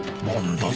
何だ？